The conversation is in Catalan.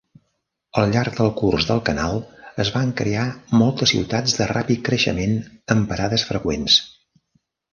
Al llarg del curs del canal es van crear moltes ciutats de ràpid creixement en parades freqüents.